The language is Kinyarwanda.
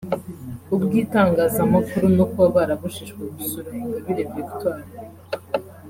ubw’itangazamakuru no kuba barabujijwe gusura Ingabire Victoire